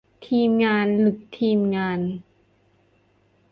ทีมงาน หรือ ทีมงาน ?